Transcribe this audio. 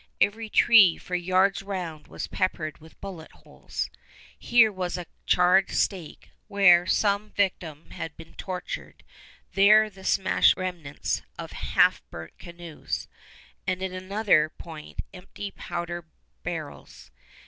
Every tree for yards round was peppered with bullet holes. Here was a charred stake where some victim had been tortured; there the smashed remnants of half burnt canoes; and at another point empty powder barrels.